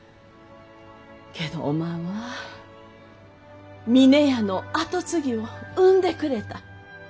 けどおまんは峰屋の跡継ぎを産んでくれた！